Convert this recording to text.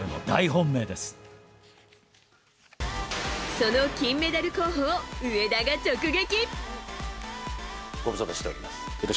その金メダル候補を上田が直撃。